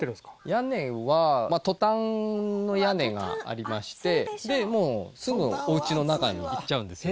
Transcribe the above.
屋根はトタンの屋根がありましてもうすぐお家の中にいっちゃうんですよ。